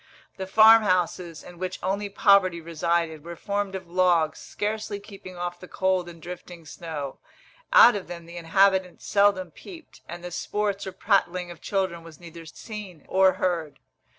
The farm houses, in which only poverty resided, were formed of logs scarcely keeping off the cold and drifting snow: out of them the inhabitants seldom peeped, and the sports or prattling of children was neither seen or heard.